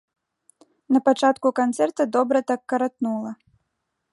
Напачатку канцэрта добра так каратнула.